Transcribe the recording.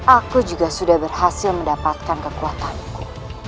aku juga sudah berhasil mendapatkan kekuatanku